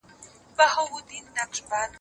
په ښوونځي کي د ماشومانو ترمنځ نوې دوستي جوړېږي.